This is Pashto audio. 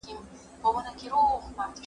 ښوونکي کولای سي دا خپلو زده کوونکو ته وښيي.